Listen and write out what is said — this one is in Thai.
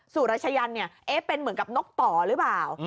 สุระชัยันเนี่ยเอ๊ะเป็นเหมือนกับนกป่อหรือเปล่า